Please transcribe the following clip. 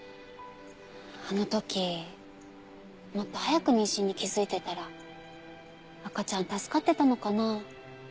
あのときもっと早く妊娠に気づいてたら赤ちゃん助かってたのかな。